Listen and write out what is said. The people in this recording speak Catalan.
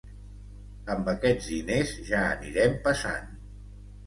Amb aquests diners ja anirem passant.